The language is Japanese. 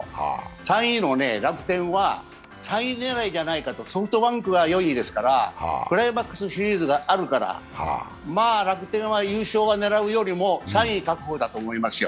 ３位の楽天は３位狙いじゃないかとソフトバンクは４位ですからクライマックスシリーズがあるからまぁ、楽天は優勝を狙うよりも３位確保だと思いますよ。